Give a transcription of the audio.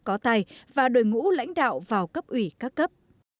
có tài và đội ngũ lãnh đạo vào cấp ủy các cấp